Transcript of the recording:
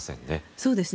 そうですね。